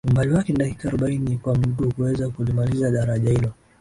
Umbali wake ni dakika arobaini kwa miguu kuweza kulimaliza daraja hilo